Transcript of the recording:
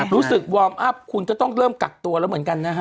รู้สึกวอร์มอัพคุณจะต้องเริ่มกักตัวแล้วเหมือนกันนะครับ